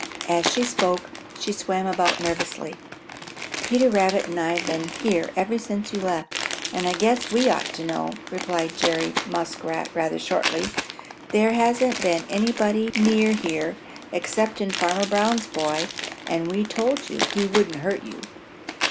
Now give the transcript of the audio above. As she spoke she swam about nervously. "Peter Rabbit and I have been here ever since you left, and I guess we ought to know," replied Jerry Muskrat rather shortly. "There hasn't been anybody near here excepting Farmer Brown's boy, and we told you he wouldn't hurt you."